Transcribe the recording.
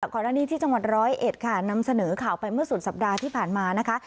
ก่อนหน้านี้ที่จังหวัดร้อยเอ็ดค่ะนำเสนอข่าวไปเมื่อสุดสัปดาห์ที่ผ่านมานะคะ